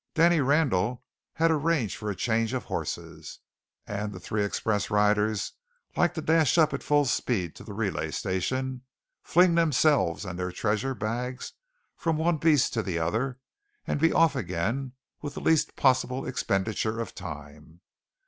Danny Randall had arranged for a change of horses; and the three express riders liked to dash up at full speed to the relay station, fling themselves and their treasure bags from one beast to the other, and be off again with the least possible expenditure of time.